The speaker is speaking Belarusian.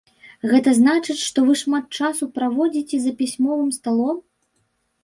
Гэта значыць, што вы шмат часу праводзіце за пісьмовым сталом?